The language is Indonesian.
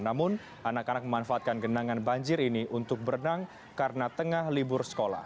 namun anak anak memanfaatkan genangan banjir ini untuk berenang karena tengah libur sekolah